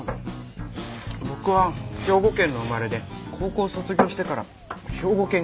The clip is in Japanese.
僕は兵庫県の生まれで高校を卒業してから兵庫県警です。